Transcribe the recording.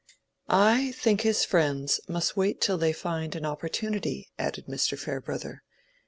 "I think his friends must wait till they find an opportunity," added Mr. Farebrother.